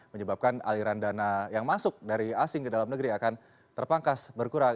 menyebabkan aliran dana yang masuk dari asing ke dalam negeri akan terpangkas berkurang